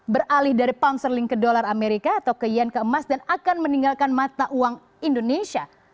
beralih dari pound sterling ke dolar amerika atau ke yen ke emas dan akan meninggalkan mata uang indonesia